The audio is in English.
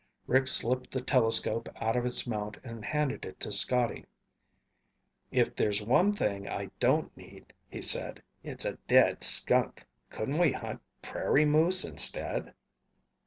Rick slipped the telescope out of its mount and handed it to Scotty. "If there's one thing I don't need," he said, "it's a dead skunk. Couldn't we hunt prairie moose instead?"